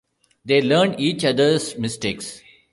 They learn each other's mistakes.